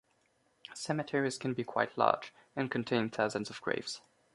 Cemeteries can be quite large and contain thousands of graves.